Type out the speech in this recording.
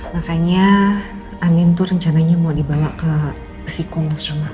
makanya andin tuh rencananya mau dibawa ke pesikun los ramallah